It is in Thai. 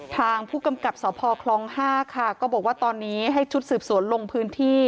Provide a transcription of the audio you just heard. ทางผู้กำกับสพคลอง๕ค่ะก็บอกว่าตอนนี้ให้ชุดสืบสวนลงพื้นที่